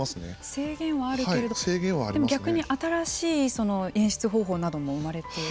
制限はあるけれど逆に新しい演出方法などもはい。